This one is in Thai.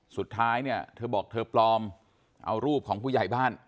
สุดท้ายเนี่ยเธอบอกเธอปลอมเอารูปของผู้ใหญ่บ้าน